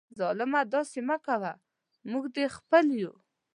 ظالمه داسي مه کوه ، موږ دي خپل یو